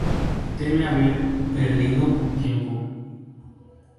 Teme haber "perdido" tiempo.